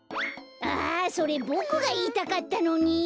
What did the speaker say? あそれボクがいいたかったのに！